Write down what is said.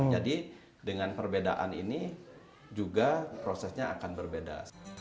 jadi dengan perbedaan ini juga prosesnya akan berbeda